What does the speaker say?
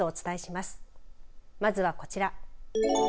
まずはこちら。